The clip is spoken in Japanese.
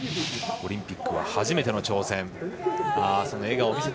オリンピックは初めての挑戦。